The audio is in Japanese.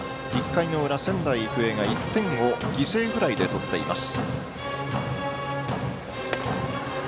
１回の裏、仙台育英が１点を犠牲フライで取っています。